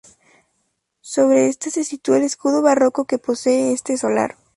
Sobre esta se sitúa el escudo barroco que posee este solar.